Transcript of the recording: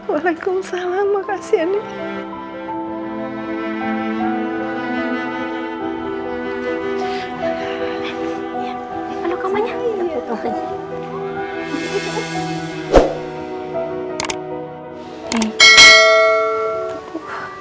waalaikumsalam makasih andi